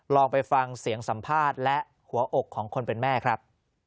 ลองไปฟังเสียงสัมภาษณ์และหัวอกของคนเป็นแม่ครับ